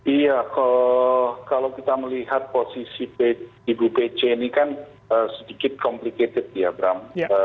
iya kalau kita melihat posisi ibu pece ini kan sedikit complicated ya bram